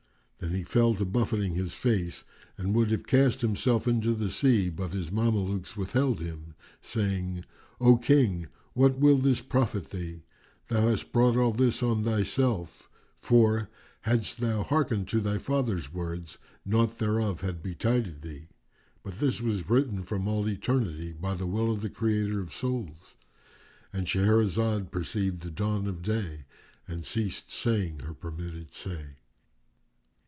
Then he fell to buffeting his face and would have cast himself into the sea, but his Mamelukes withheld him, saying "O King, what will this profit thee? Thou hast brought all this on thyself; for, hadst thou hearkened to thy father's words, naught thereof had betided thee. But this was written from all eternity by the will of the Creator of Souls."——And Shahrazad perceived the dawn of day and ceased saying her permitted say.